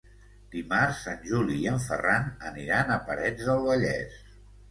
Dimarts en Juli i en Ferran aniran a Parets del Vallès.